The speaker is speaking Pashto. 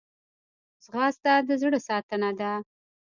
ځغاسته د زړه ساتنه ده